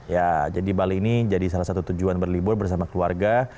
ya jadi bali ini jadi salah satu tujuan berlibur bersama keluarga